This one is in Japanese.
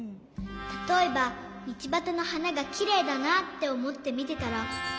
たとえばみちばたのはながきれいだなっておもってみてたら。